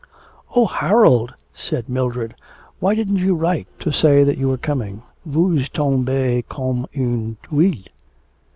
'Oh, Harold,' said Mildred.... 'Why didn't you write to say that you were coming _vous tombez comme une tuile....